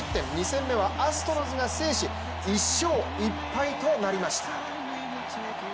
２戦目はアストロズが制し１勝１敗となりました。